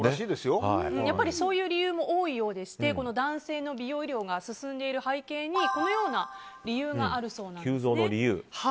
そういう理由も多いようでして男性の美容医療が進んでいる背景にこのような理由があるそうです。